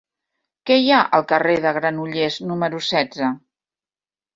Què hi ha al carrer de Granollers número setze?